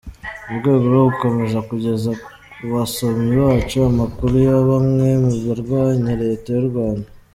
Murwego rwo gukomeza kugeza kubasomyi bacu amakuru yabamwe mu barwanya Leta y’u Rwanda.